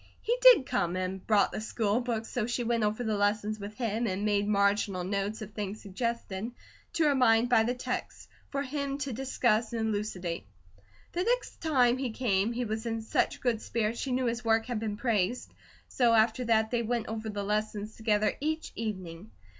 He did come, and brought the school books so she went over the lessons with him, and made marginal notes of things suggested to her mind by the text, for him to discuss and elucidate. The next time he came, he was in such good spirits she knew his work had been praised, so after that they went over the lessons together each evening.